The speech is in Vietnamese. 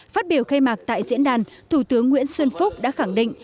phát biểu khai mạc tại diễn đàn thủ tướng nguyễn xuân phúc đã khẳng định